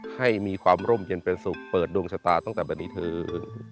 ให้มีความร่มเย็นเป็นสุขเปิดดวงชะตาตั้งแต่บันดีเถอะ